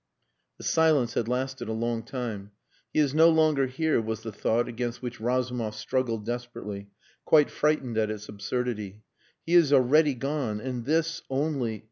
The silence had lasted a long time. "He is no longer here," was the thought against which Razumov struggled desperately, quite frightened at its absurdity. "He is already gone and this...only..."